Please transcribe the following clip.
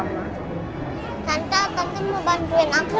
tante tante mau bantuin aku